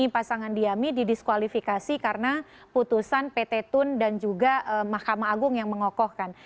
pasangan diami didiskualifikasi karena putusan pt tun dan juga mahkamah agung yang mengokohkan